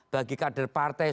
bagi kader partai